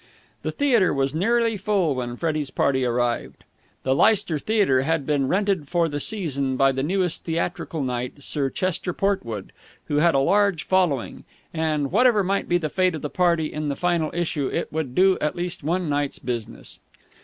The theatre was nearly full when Freddie's party arrived. The Leicester Theatre had been rented for the season by the newest theatrical knight, Sir Chester Portwood, who had a large following; and, whatever might be the fate of the play in the final issue, it would do at least one night's business.